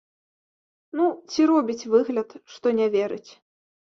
Ну, ці робіць выгляд, што не верыць.